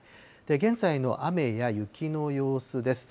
現在の雨や雪の様子です。